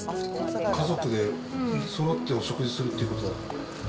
家族でそろってお食事するっていうことは？